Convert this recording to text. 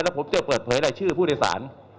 แล้วผมจะเปิดเผยรายชื่อผู้โดยสาร